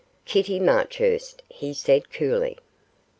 'Kitty Marchurst,' he said, coolly.